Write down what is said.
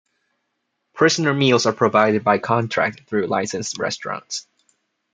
Prisoner Meals are provided by contract through licensed restaurants.